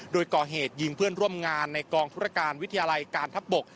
โดยก่อเหตุยิงเพื่อนร่วมงานในกองธุรการวิทยาลัยการทัพบก